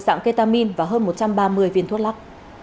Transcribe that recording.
dạng ketamin và hơn một trăm ba mươi viên thuốc lắc